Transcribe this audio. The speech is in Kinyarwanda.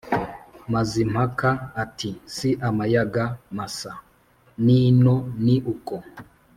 mazimpaka, ati : «si amayaga masa n'ino ni uko,